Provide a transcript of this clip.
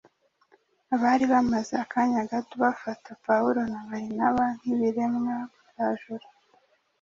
abari bamaze akanya gato bafata Pawulo na Barinaba nk’ibiremwa mvajuru